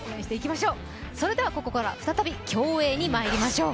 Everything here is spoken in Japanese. それでは、ここから再び競泳にまいりましょう。